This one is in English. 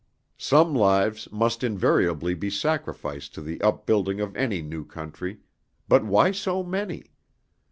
Some lives must invariably be sacrificed to the upbuilding of any new country, but why so many?